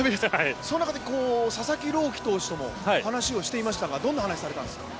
その中で佐々木朗希投手とも話をしていましたが、どんな話をされていたんですか？